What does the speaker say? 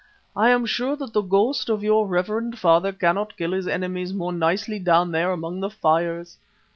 "I am sure that the ghost of your reverend father cannot kill his enemies more nicely down there among the Fires.